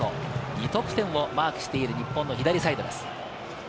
２得点をマークしている日本の左サイドです。